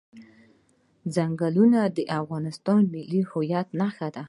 ځنګلونه د افغانستان د ملي هویت نښه ده.